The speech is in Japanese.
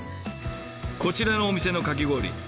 こちらのお店のかき氷。